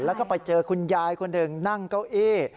แล้วก็ไปเจอคุณยายคนหนึ่งนั่งเก้าอี้